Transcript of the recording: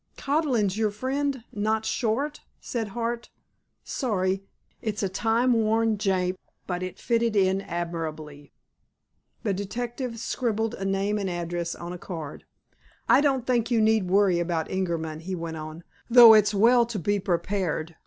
"Codlin's your friend, not Short," said Hart. "Sorry. It's a time worn jape, but it fitted in admirably." The detective scribbled a name and address on a card. "I don't think you need worry about Ingerman," he went on, "though it's well to be prepared.